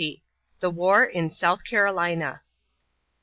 THE WAR IN SOUTH CAROLINA.